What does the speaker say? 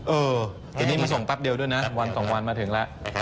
เออทีนี้มาส่งแป๊บเดียวด้วยนะวันสองวันมาถึงแล้ว